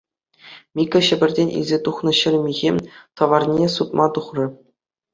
Микка Ҫӗпӗртен илсе тухнӑ ҫур михӗ тӑварне сутма тухрӗ.